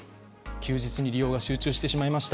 休日に利用が集中してしまいました。